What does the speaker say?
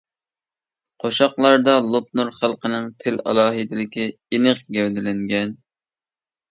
قوشاقلاردا لوپنۇر خەلقىنىڭ تىل ئالاھىدىلىكى ئېنىق گەۋدىلەنگەن.